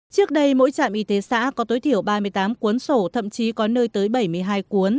trước đây mỗi trạm y tế xã có tối thiểu ba mươi tám cuốn sổ thậm chí có nơi tới bảy mươi hai cuốn